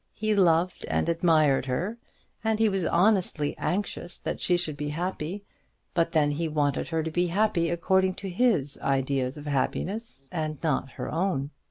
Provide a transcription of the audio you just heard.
He loved her and admired her, and he was honestly anxious that she should be happy; but then he wanted her to be happy according to his ideas of happiness, and not her own.